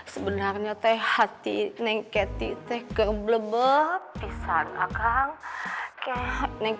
sebenarnya hati saya keblebek pisah kakak